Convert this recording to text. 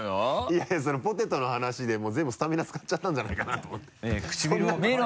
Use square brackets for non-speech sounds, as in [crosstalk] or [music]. いやいやそのポテトの話でもう全部スタミナ使っちゃったんじゃないかなと思って唇も [laughs]